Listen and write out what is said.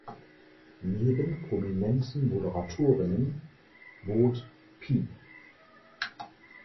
Neben prominenten Moderatorinnen bot Peep!